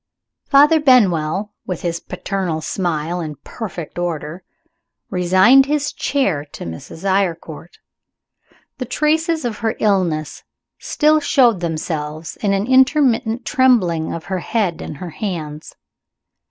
Father Benwell (with his paternal smile in perfect order) resigned his chair to Mrs. Eyrecourt. The traces of her illness still showed themselves in an intermittent trembling of her head and her hands.